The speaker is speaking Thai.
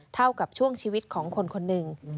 เท่ากับช่วงชีวิตของคนคนหนึ่ง